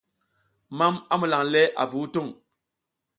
Mam a mulan le avu hutung.